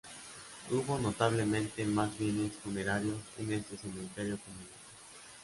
Hubo notablemente más bienes funerarios en este cementerio comunal.